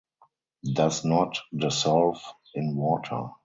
Does not dissolve in water.